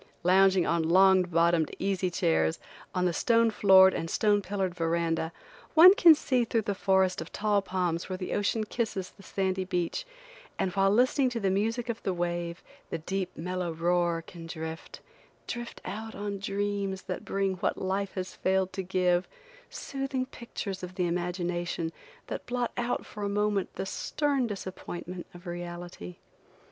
Lounging on long bottomed, easy chairs, on the stone floored and stone pillared verandah, one can see through the forest of tall palms where the ocean kisses the sandy beach, and while listening to the music of the wave, the deep, mellow roar, can drift–drift out on dreams that bring what life has failed to give; soothing pictures of the imagination that blot out for a moment the stern disappointment of reality.